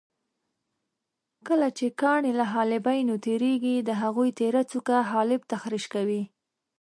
کله چې کاڼي له حالبینو تېرېږي د هغوی تېره څوکه حالب تخریش کوي.